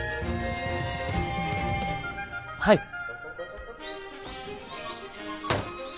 はい。